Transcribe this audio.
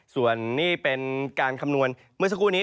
ส่วนนี่เป็นการคำนวณเมื่อสักครู่นี้